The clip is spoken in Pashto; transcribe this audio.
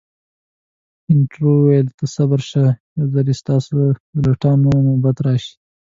ایټور وویل، ته صبر شه، یو ځلي ستاسو د لټانو نوبت راشي.